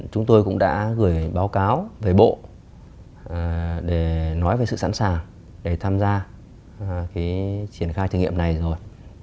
chúng tôi cũng đã gửi báo cáo về bộ để nói về sự sẵn sàng để tham gia triển khai thử nghiệm này rồi